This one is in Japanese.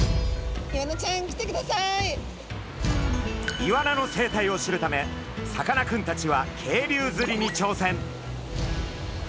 イワナの生態を知るためさかなクンたちは渓流釣りにちょうせん。